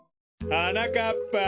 はなかっぱ！